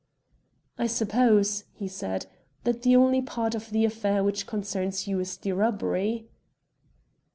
"I suppose," he said, "that the only part of the affair which concerns you is the robbery."